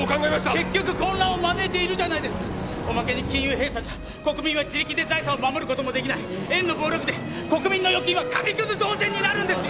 結局混乱を招いているじゃないですかおまけに金融閉鎖じゃ国民は自力で財産を守ることもできない円の暴落で国民の預金は紙くず同然になるんですよ！